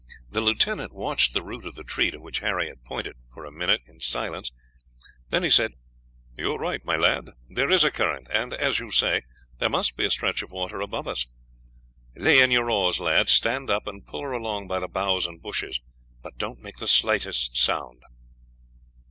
The lieutenant watched the root of the tree to which Harry had pointed, for a minute in silence, then he said, "You are right, my lad, there is a current, and, as you say, there must be a stretch of water above us. Lay in your oars, lads; stand up, and pull her along by the boughs and bushes, but don't make the slightest sound."